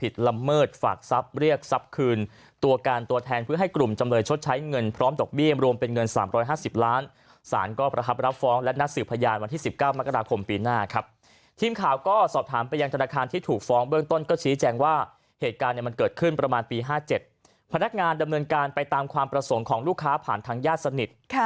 เขาเลี้ยงดูคุณเลี้ยงดูทั้งลูกของคุณด้วยอะไรอย่างนี้